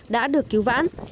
đã được cứu vãn